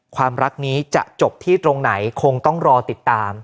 ความรักนี้จะจบที่ตรงไหนคงต้องรอติดตาม